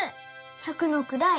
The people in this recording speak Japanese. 「百のくらい」